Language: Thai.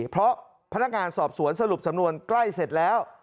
เพราะพนักงานสอบสวนสรุปสำนวนใกล้เสร็จแล้ว